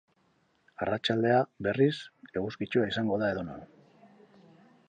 Arratsaldea, berriz, eguzkitsua izango da edonon.